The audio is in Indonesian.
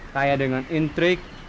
kaya dengan intrik